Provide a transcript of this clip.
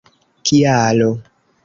kialo